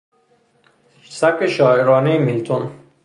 سبک شاعرانهی میلتون